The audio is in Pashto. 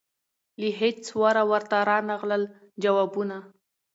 له هیڅ وره ورته رانغلل جوابونه